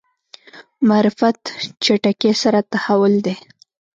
معرفت چټکۍ سره تحول دی.